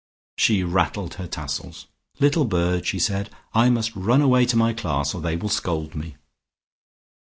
She rattled her tassels. "Little bird!" she said. "I must run away to my class, or they will scold me."